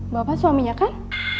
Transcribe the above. bapak suaminya kan